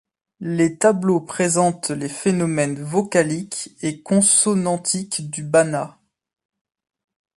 Les tableaux présentent les phonèmes vocaliques et consonantiques du bana.